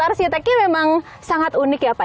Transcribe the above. kita lihat arsitekturnya memang sangat unik ya pak